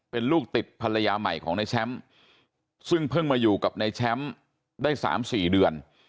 เป็นลูกติดภรรยาใหม่ของในแชมป์ซึ่งเพิ่งมาอยู่กับนายแชมป์ได้๓๔เดือน